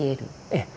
ええ。